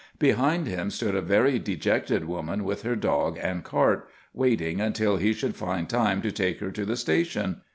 Behind him stood a very dejected woman with her dog and cart, waiting until he should find time to take her to the station.